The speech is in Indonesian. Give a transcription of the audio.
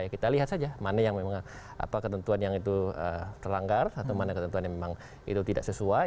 kita lihat saja mana yang memang ketentuan yang itu terlanggar atau mana ketentuan yang memang itu tidak sesuai